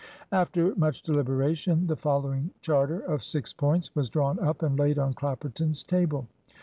After much deliberation, the following charter of six points was drawn up and laid on Clapperton's table.